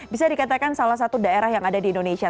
bisa dikatakan salah satu daerah yang ada di indonesia